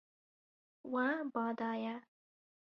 We ba daye.